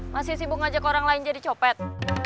masih sibuk ngajak orang lain jadi copet